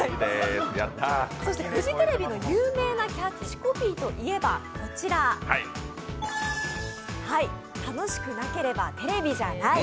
そしてフジテレビの有名なキャッチコピーといえば、楽しくなければテレビじゃない。